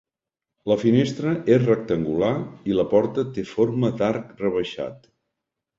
La finestra és rectangular i la porta té forma d'arc rebaixat.